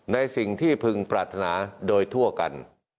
ในสิ่งที่พึงปรารถนาโดยทั่วกัน